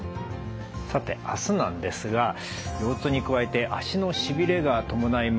さて明日なんですが腰痛に加えて脚のしびれが伴います